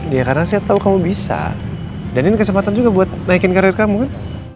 ya karena saya tahu kamu bisa dan ini kesempatan juga buat naikin karir kamu kan